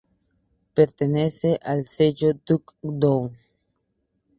Pertenece al sello Duck Down.